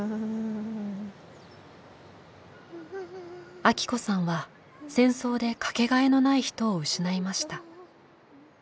アキ子さんは戦争でかけがえのない人を失いました。